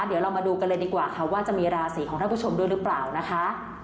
เดี๋ยวเรามาดูกันเลยดีกว่าค่ะว่าจะมีราศีของท่านผู้ชมด้วยหรือเปล่านะคะ